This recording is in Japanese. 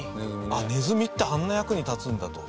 ああネズミってあんな役に立つんだと。